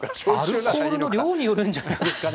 アルコールの量によるんじゃないですかね。